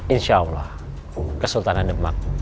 insya allah kesultanan indonesia